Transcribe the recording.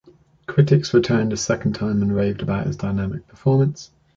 Critics returned a second time and raved about his dynamic performance.